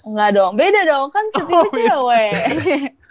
nggak dong beda dong kan setiap cuy ya weh